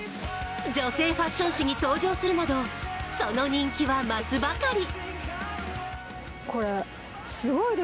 女性ファッション誌に登場するなど、その人気は増すばかり。